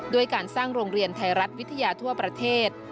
ด้วยการสร้างโรงเรียนไทยรัฐวิทยาทั่วประเทศ